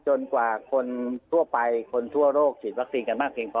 กว่าคนทั่วไปคนทั่วโลกฉีดวัคซีนกันมากเพียงพอ